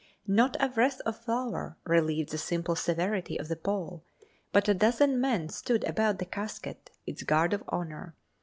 Not a wreath or flower relieved the simple severity of the pall, but a dozen men stood about the casket, its guard of honor.